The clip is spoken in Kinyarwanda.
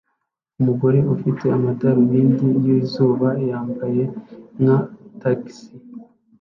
Umugore ufite amadarubindi yizuba yambaye nka tagisi